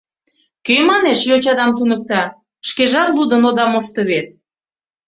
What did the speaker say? Кӧ, манеш, йочадам туныкта, шкежат лудын ода мошто вет!